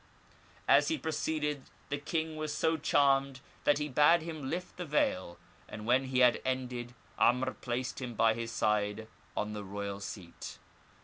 As he proceeded, the king was so charmed that he bade him lift the veil, and when he had ended *Amr placed him by his side on the royal seat.